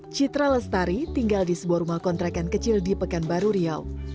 citra lestari tinggal di sebuah rumah kontrakan kecil di pekanbaru riau